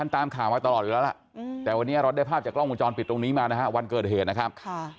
ท่านผู้ชมครับ